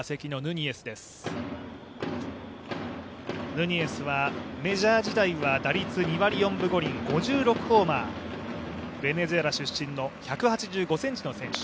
ヌニエスはメジャー時代は打率２割４分５厘、５６ホーマー、ベネズエラ出身の、１８５ｃｍの選手。